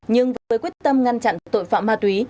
nhưng với quyết tâm ngăn chặn tội phạm ma túy